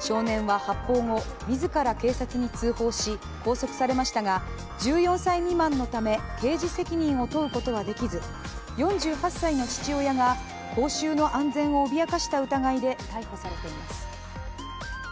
少年は発砲後、自ら警察に通報し、拘束されましたが、１４歳未満のため刑事責任を問うことはできず４８歳の父親が公衆の安全を脅かした疑いで逮捕されています。